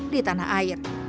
di tanah air